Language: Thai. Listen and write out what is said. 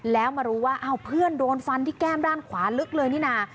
แล้วมารู้ว่าอ้าวเพื่อนโดนฟันที่แก้มด้านขวาลึกเลยนี่นะ